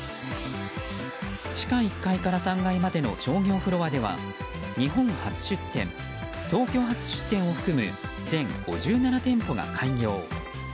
地下１階から３階までの商業フロアでは日本初出店、東京初出店を含む全５７店舗が開業。